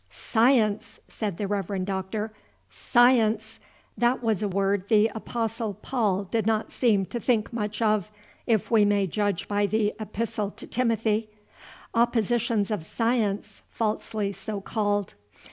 "Science!" said the Reverend Doctor, "science! that was a word the Apostle Paul did not seem to think much of, if we may judge by the Epistle to Timothy: 'Oppositions of science falsely so called.'